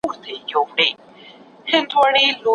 هغوی به په راتلونکي کي خوشاله وي.